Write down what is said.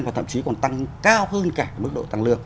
và thậm chí còn tăng cao hơn cả mức độ tăng lương